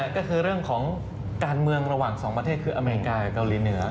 ก็คือเรื่องของการเมืองระหว่างสองประเทศคืออเมริกากับเกาหลีเหนือ